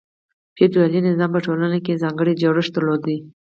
فیوډالي نظام په ټولنه کې ځانګړی جوړښت درلود.